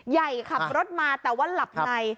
ใหญ่ขับรถมาแต่ว่าหลับใน